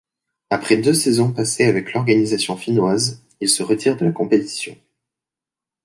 Après deux saisons passé avec l'organisation finnoise, il se retire de la compétition.